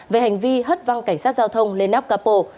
về hành vi hất văng cảnh sát giao thông lên nắp cà bộ